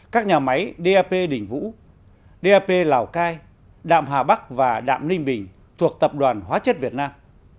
các nhà máy dap đỉnh vũ dap lào cai đạm hà bắc và đạm ninh bình thuộc tập đoàn hóa chất việt nam